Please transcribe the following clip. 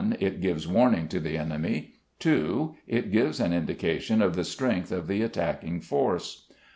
It gives warning to the enemy. 2. It gives an indication of the strength of the attacking force.